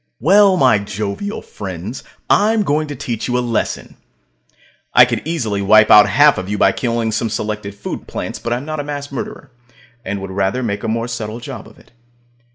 Well, my jovial friends, I'm going to teach you a lesson. I could easily wipe out half of you by killing some selected food plants, but I'm not a mass murderer, and would rather make a more subtle job of it.